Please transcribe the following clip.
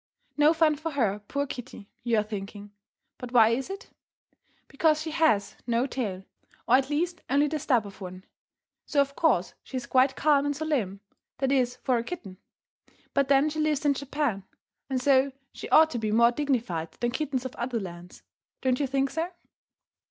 No fun for her, poor kitty, you are thinking. But why is it? Because she has no tail, or at least only the stub of one. So of course she is quite calm and solemn that is, for a kitten. But then she lives in Japan, and so she ought to be more dignified than kittens of other lands. Don't you think so?